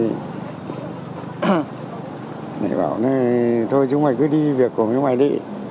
thầy bảo thôi chúng mày cứ đi việc của mấy ngoài đây